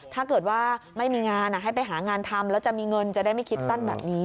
ถ้าเกิดว่าไม่มีงานให้ไปหางานทำแล้วจะมีเงินจะได้ไม่คิดสั้นแบบนี้